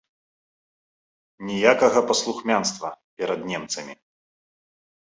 Ніякага паслухмянства перад немцамі!